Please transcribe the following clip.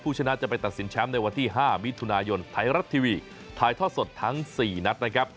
ชนะจะไปตัดสินแชมป์ในวันที่๕มิถุนายนไทยรัฐทีวีถ่ายทอดสดทั้ง๔นัดนะครับ